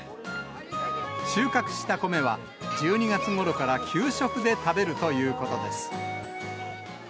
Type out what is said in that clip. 収穫した米は、１２月ごろから、給食で食べるということです。